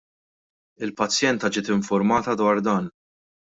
Il-pazjenta ġiet infurmata dwar dan.